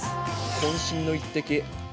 こん身の一滴。